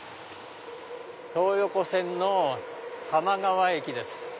東横線の多摩川駅です。